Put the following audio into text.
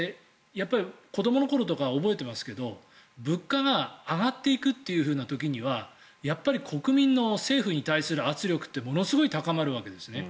子どもの頃とか覚えてますけど物価が上がっていく時にはやっぱり国民の政府に対する圧力ってものすごい高まるわけですね。